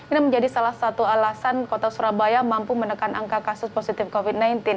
ini menjadi salah satu alasan kota surabaya mampu menekan angka kasus positif covid sembilan belas